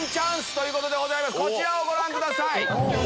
こちらをご覧ください。